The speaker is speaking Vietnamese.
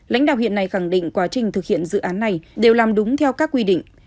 lãnh đạo huyện này khẳng định quá trình thực hiện dự án này đều làm đúng theo các quy định